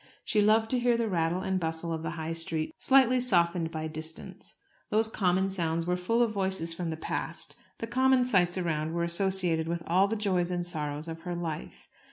She loved to hear the rattle and bustle of the High Street, slightly softened by distance. Those common sounds were full of voices from the past: the common sights around were associated with all the joys and sorrows of her life.